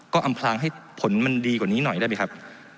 ก็อำพลางให้ผลมันดีกว่านี้หน่อยได้ไหมครับ